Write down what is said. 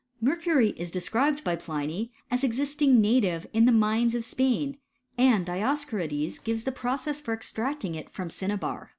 I Mercury is described by Pliny as existing native in the mines of Spain, and Dioscorides gives the process for extracting it from cinnabar.